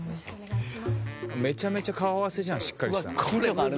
めちゃめちゃ顔合わせじゃんしっかりした。